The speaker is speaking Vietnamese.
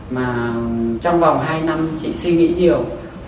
mà trong vòng hai năm chị suy nghĩ nhiều